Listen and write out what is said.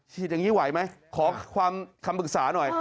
เชียดอย่างนี้ไหวไหมขอความคำปรึกษาหน่อย